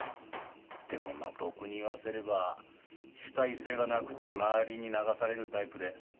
でもまぁ僕に言わせれば主体性がなくて周りに流されるタイプで。